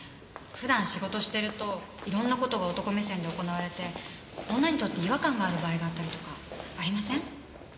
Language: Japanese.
普段仕事してるといろんな事が男目線で行われて女にとって違和感がある場合があったりとかありません？